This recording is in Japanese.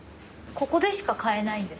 ここでしか買えないんですか？